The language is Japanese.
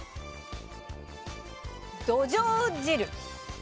どじょう汁。